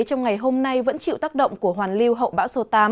trong ngày hôm nay vẫn chịu tác động của hoàn lưu hậu bão số tám